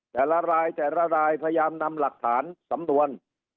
แต่ละรายแต่ละรายพยายามนำหลักฐานสำนวน